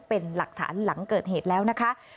เป็นหลักฐานหลังเกิดเหตุแล้วนะคะ